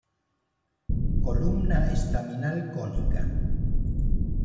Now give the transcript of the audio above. Columna estaminal cónica.